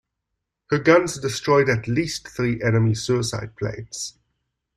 Her guns destroyed at least three enemy suicide planes.